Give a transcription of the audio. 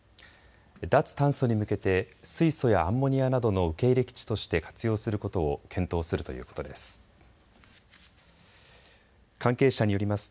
脱炭素に向けて水素やアンモニアなどの受け入れ基地として活用することを検討するということです。